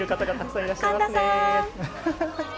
神田さん！